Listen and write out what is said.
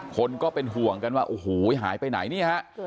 คนก็เป็นห่วงกันว่าโอ้โหหายไปไหนนี่ฮะ